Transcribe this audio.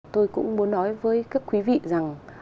tôi cũng muốn nói với các quý vị rằng